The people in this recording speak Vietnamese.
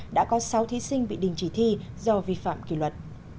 đã có sáu thí sinh bị đình chỉ thi do vi phạm kỷ luật